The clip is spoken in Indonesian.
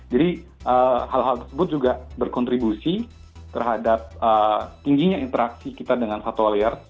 jadi hal hal tersebut juga berkontribusi terhadap tingginya interaksi kita dengan hewan